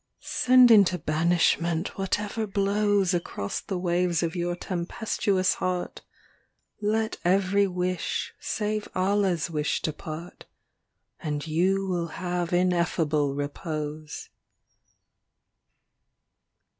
XL Send into banishment whatever blows Across the waves of your tempestuous heart ; Let every wish save AllahŌĆÖs wish depart, And you will have ineffable repose.